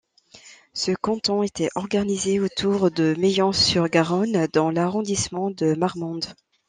Ce canton était organisé autour de Meilhan-sur-Garonne dans l'arrondissement de Marmande.